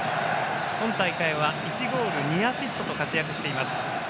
今大会は１ゴール２アシストと活躍しています。